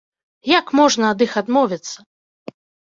Як можна ад іх адмовіцца?